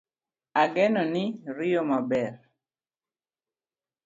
Ageno ni riyo maber